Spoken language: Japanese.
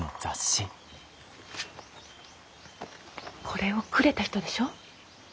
これをくれた人でしょ？